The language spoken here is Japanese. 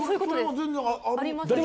全然ある。